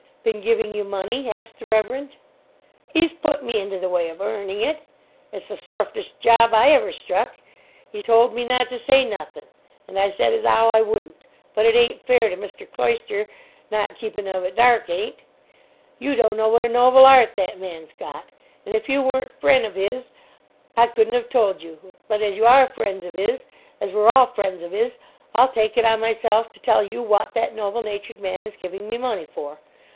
"Been giving you money?" asked the Reverend. "'E's put me into the way of earning it. It's the sorfest job ever I struck. 'E told me not to say nothin', and I said as 'ow I wouldn't. But it ain't fair to Mr. Cloyster, not keeping of it dark ain't. Yew don't know what a noble 'eart that man's got, an' if you weren't fren' of 'is I couldn't have told you. But as you are fren's of 'is, as we're all fren's of 'is, I'll take it on myself to tell you wot that noble natured man is giving me money for.